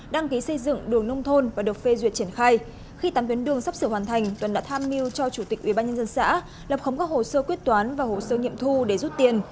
đăng ký xây dựng đường nông thôn và được phê duyệt triển khai